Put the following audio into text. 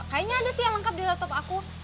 kayaknya ada sih yang lengkap di laptop aku